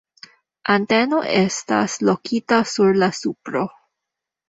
Anteno estas lokita sur la supro.